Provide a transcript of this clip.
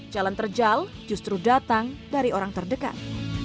jalan terjal justru datang dari orang terdekat